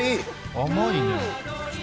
甘いね。